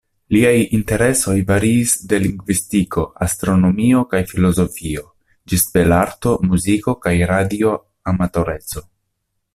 Liaj interesoj variis de lingvistiko, astronomio kaj filozofio ĝis belarto, muziko kaj radio-amatoreco.